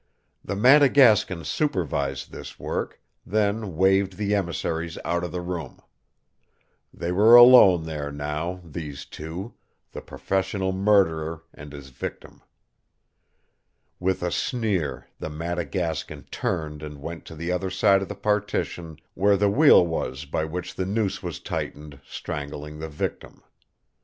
The Madagascan supervised this work, then waved the emissaries out of the room. They were alone there now, these two the professional murderer and his victim. With a sneer the Madagascan turned and went to the other side of the partition where the wheel was by which the noose was tightened, strangling the victim.